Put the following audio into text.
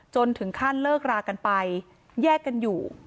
จนถึงขั้นเลิกรากันไปแยกกันอยู่